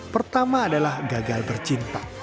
pertama adalah gagal bercinta